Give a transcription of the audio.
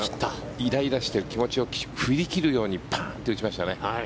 イライラしている気持ちを振り切るようにパンと打ちましたね。